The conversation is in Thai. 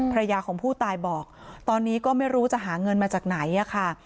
ภรรยาของผู้ตายบอกตอนนี้ก็ไม่รู้จะหาเงินมาจากไหนอะค่ะ